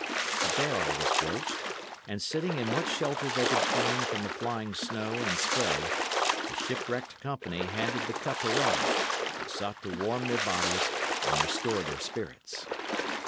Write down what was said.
A barrel was broached, and, sitting in what shelter they could find from the flying snow and spray, the shipwrecked company handed the cup around, and sought to warm their bodies and restore their spirits.